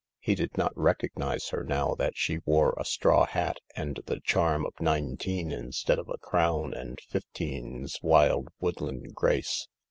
He did not recognise her now that she wore a straw hat and the charm of nineteen instead of a crown and fifteen's wild woodland grace.